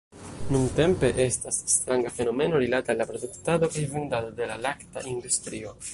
Nuntempe estas stranga fenomeno rilate al la produktado kaj vendado de la lakta industrio.